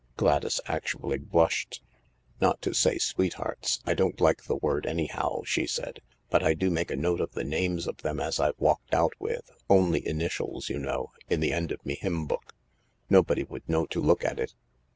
Gladys actually blushed. " Not to say sweethearts. I don't like the word anyhow," she said. " But I do make a note of the names of them as I've walked out with — only initials, you know — in the end of me hymn book. Nobody would know to look at it.